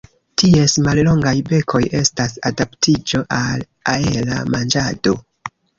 Ties mallongaj bekoj estas adaptiĝo al aera manĝado.